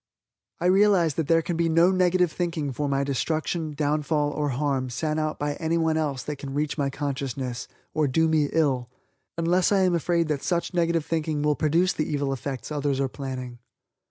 I realize that there can be no negative thinking for my destruction, downfall or harm sent out by anyone else that can reach my consciousness, or do me ill, unless I am afraid that such negative thinking will produce the evil effects others are planning.